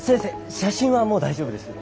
写真はもう大丈夫です。